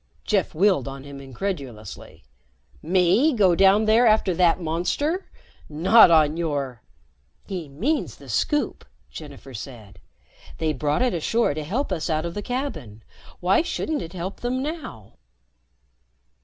Jeff wheeled on him incredulously. "Me go down there after that monster? Not on your " "He means the Scoop," Jennifer said. "They brought it ashore to help us out of the cabin. Why shouldn't it help them now?"